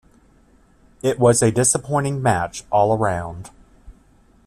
It was a disappointing match all round.